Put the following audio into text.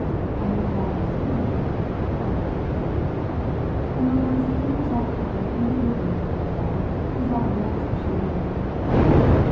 "Are you tired of sitting here?" Heyst asked. An almost imperceptible negative movement of the head was all the answer she made.